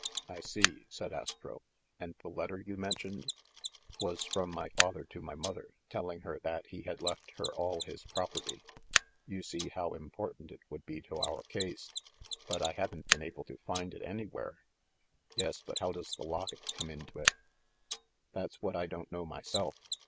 "I see," said Astro, "and the letter you mentioned ?" "Was from my father to my mother, telling her that he had left her all his property. You see how im portant it would be to our case ; but I haven't been able to find it anywhere." "Yes, but how does the locket come into it?" "That's what I don't know myself.